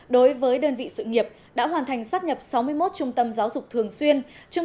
đối với đơn vị sự nghiệp đã hoàn thành sát nhập sáu mươi một trung tâm giáo dục thường xuyên